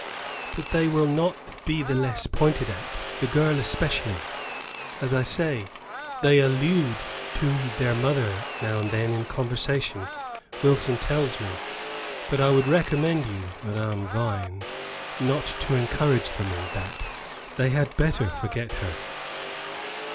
But they will not be the less pointed at, the girl especially, as I say. They allude to their mother now and then in conversation, Wilson tells me; but I would recommend you, Madame Vine, not to encourage them in that. They had better forget her."